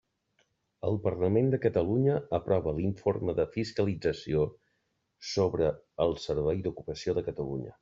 El Parlament de Catalunya aprova l'Informe de fiscalització, sobre el Servei d'Ocupació de Catalunya.